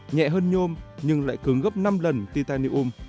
nhẹ hơn nhôm nhưng lại cứng gấp năm lần titanium